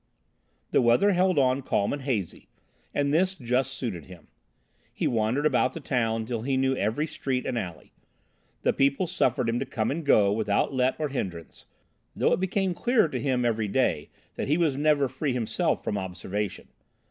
The weather held on calm and hazy, and this just suited him. He wandered about the town till he knew every street and alley. The people suffered him to come and go without let or hindrance, though it became clearer to him every day that he was never free himself from observation.